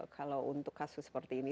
kalau untuk kasus seperti ini